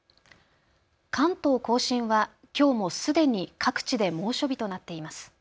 関東甲信はきょうもすでに各地で猛暑日となっています。